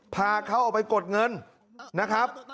พาเขาออกไปกดเงินนะครับ